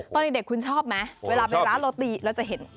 ตอนเด็กคุณชอบไหมเวลาไปร้านโรตีเราจะเห็น